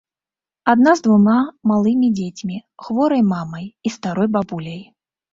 Адна з двума малымі дзецьмі, хворай мамай і старой бабуляй.